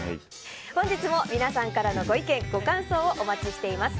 本日も皆さんからのご意見、ご感想をお待ちしております。